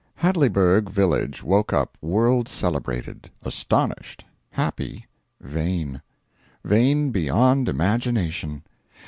II Hadleyburg village woke up world celebrated astonished happy vain. Vain beyond imagination.